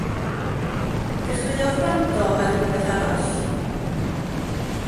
Dechreuodd wrando ar rywbeth arall.